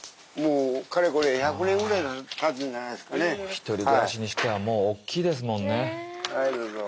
１人暮らしにしてはもうおっきいですもんね。